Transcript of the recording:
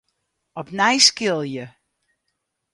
Opnij skilje.